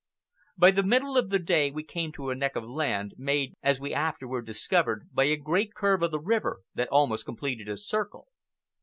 By the middle of the day we came to a neck of land, made, as we afterward discovered, by a great curve of the river that almost completed a circle.